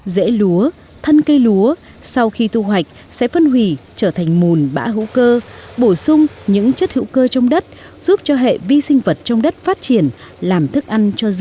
dễ lúa thân cây lúa sau khi thu hoạch sẽ phân hủy trở thành mùn bã hữu cơ bổ sung những chất hữu cơ trong đất giúp cho hệ vi sinh vật trong đất phát triển làm thức ăn cho dươi